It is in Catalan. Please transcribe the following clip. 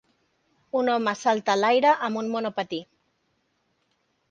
Un home salta a l'aire amb un monopatí.